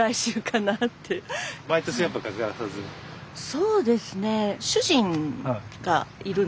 そうですね。